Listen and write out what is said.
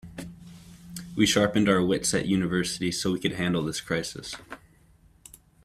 We sharpened our wits at university so we could handle this crisis.